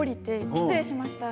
「失礼しました」